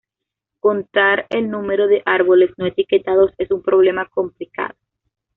Contar el número de árboles no etiquetados es un problema complicado.